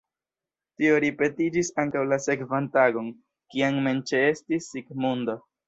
Tio ripetiĝis ankaŭ la sekvan tagon, kiam mem ĉeestis Sigmundo.